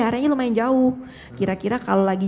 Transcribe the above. areanya lumayan jauh kira kira kalau lagi